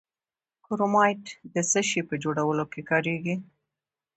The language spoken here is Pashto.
کرومایټ د څه شي په جوړولو کې کاریږي؟